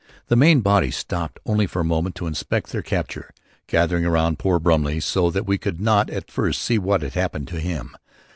The main body stopped only a moment to inspect their capture, gathering around poor Brumley so that we could not at first see what had happened to him.